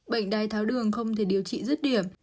bệnh đai tháo đường không thể điều trị rất điểm